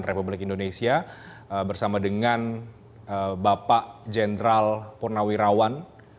republik indonesia bersama dengan bapak jenderal purnawirawan